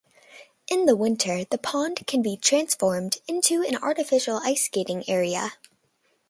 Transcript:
In the winter, the pond can be transformed into an artificial ice skating area.